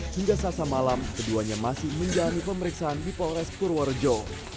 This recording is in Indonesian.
hingga selasa malam keduanya masih menjalani pemeriksaan di polres purworejo